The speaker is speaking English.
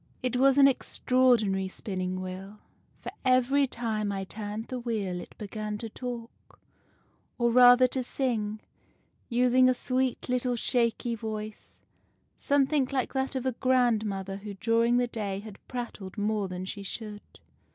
It was an extraordinary Spinning Wheel ; for every time I turned the wheel it began to talk, or rather to sing, using a sweet little shaky voice, something like that of a grandmother who during the day has prattled more than she should.